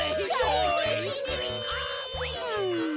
うん？